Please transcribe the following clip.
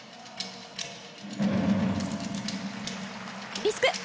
リスク。